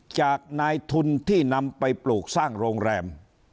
จากนายทุนที่นำไปปลูกสร้างโรงแรม